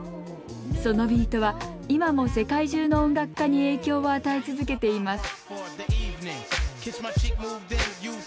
そのビートは今も世界中の音楽家に影響を与え続けています